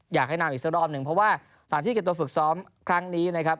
อยากให้นำอีกสักรอบหนึ่งเพราะว่าสถานที่เก็บตัวฝึกซ้อมครั้งนี้นะครับ